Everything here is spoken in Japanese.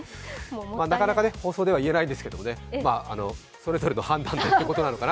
なかなか放送では言えないんですけど、それぞれの判断でということなのかな。